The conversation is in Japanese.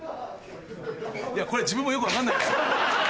いやこれ自分もよく分かんないんですよ。